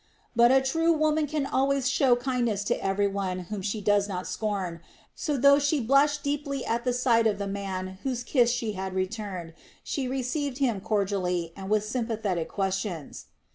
But a true woman can always show kindness to everyone whom she does not scorn, so though she blushed deeply at the sight of the man whose kiss she had returned, she received him cordially, and with sympathetic questions.